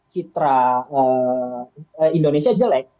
citra indonesia jelek